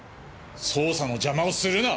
捜査の邪魔をするな！